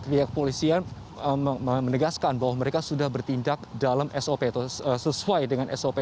pihak polisian menegaskan bahwa mereka sudah bertindak dalam sop atau sesuai dengan sop